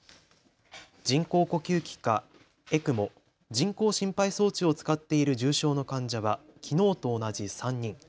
人工呼吸器かＥＣＭＯ・人工心肺装置を使っている重症の患者はきのうと同じ３人。